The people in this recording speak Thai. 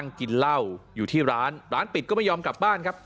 กินเหล้าอยู่ที่ร้านร้านปิดก็ไม่ยอมกลับบ้านครับ